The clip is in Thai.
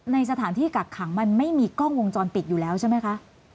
ในสถานที่กักขังมันไม่มีกล้องวงจรปิดอยู่แล้วใช่ไหมคะ